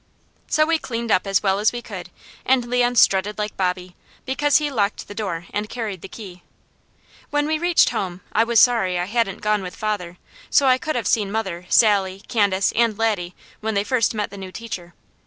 So we cleaned up as well as we could, and Leon strutted like Bobby, because he locked the door and carried the key. When we reached home I was sorry I hadn't gone with father, so I could have seen mother, Sally, Candace, and Laddie when first they met the new teacher.